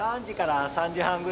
３時から３時半。